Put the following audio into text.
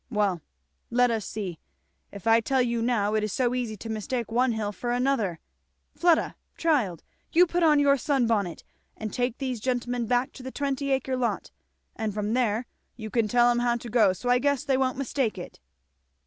Well, let us see if I tell you now it is so easy to mistake one hill for another Fleda, child, you put on your sun bonnet and take these gentlemen back to the twenty acre lot, and from there you can tell 'em how to go so I guess they won't mistake it."